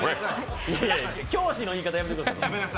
教師の言い方、やめてください。